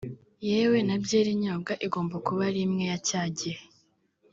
yewe na byeri inyobwa igomba kuba ari imwe ya cya gihe